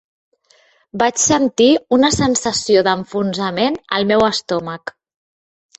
Vaig sentir una sensació d"enfonsament al meu estomac.